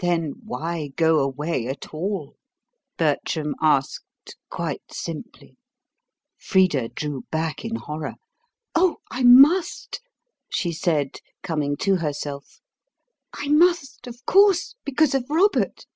"Then why go away at all?" Bertram asked, quite simply. Frida drew back in horror. "Oh, I must," she said, coming to herself: "I must, of course, because of Robert."